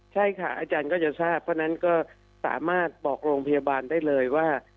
ใช่ค่ะอาจารย์ก็จะทราบเพราะฉะนั้นก็สามารถบอกโรงพยาบาลได้เลยว่า